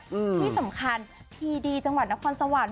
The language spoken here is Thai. ที่สำคัญพีดีจังหวัดนครสวรรค์